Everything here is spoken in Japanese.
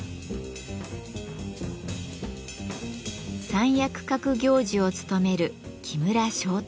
三役格行司を務める木村庄太郎さん。